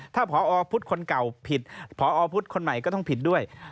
ถ้าพอพุทธคนเก่าผิดพอพุทธคนใหม่ก็ต้องผิดด้วย